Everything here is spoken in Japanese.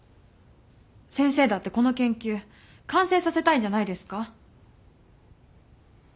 先生だってこの研究完成させたいんじゃないですか？